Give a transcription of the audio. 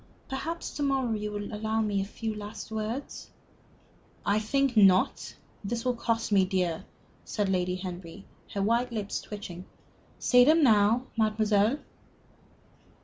Perhaps to morrow you will allow me a few last words?" "I think not. This will cost me dear," said Lady Henry, her white lips twitching. "Say them now, mademoiselle."